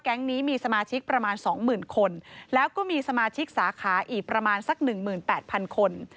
แก๊งนี้มีสมาชิกประมาณสองหมื่นคนแล้วก็มีสมาชิกสาขาอีกประมาณสักหนึ่งหมื่นแปดพันคน